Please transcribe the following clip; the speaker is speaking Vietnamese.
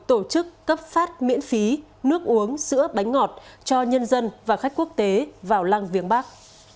tổ chức cấp phát miễn phí nước uống sữa bánh ngọt cho nhân dân và khách quốc tế vào lăng viếng bắc